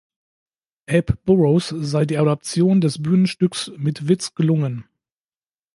Abe Burrows sei die Adaption des Bühnenstücks „mit Witz“ gelungen.